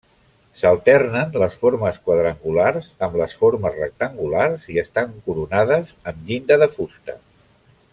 S'alternen les formes quadrangulars amb les formes rectangulars i estan coronades amb llinda de fusta.